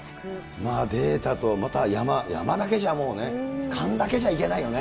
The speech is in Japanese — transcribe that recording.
データとまた山、山だけじゃもうね、勘だけじゃいけないよね。